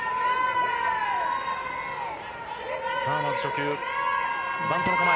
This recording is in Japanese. さあまず初球、バントの構え。